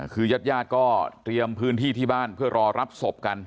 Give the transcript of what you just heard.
คือญาติญาติก็เตรียมพื้นที่ที่บ้านเพื่อรอรับศพกัน